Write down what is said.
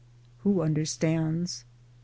X Who understands ?